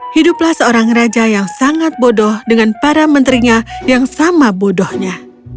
hiduplah seorang raja yang sangat bodoh dengan para menterinya yang sama bodohnya